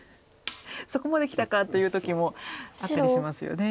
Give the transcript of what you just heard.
「そこまできたか」という時もあったりしますよね。